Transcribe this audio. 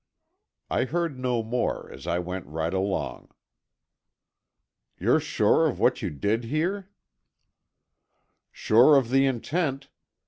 I heard no more, as I went right along." "You're sure of what you did hear?" "Sure of the intent.